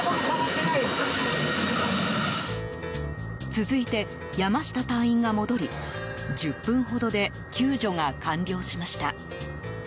続いて、山下隊員が戻り１０分ほどで救助が完了しました。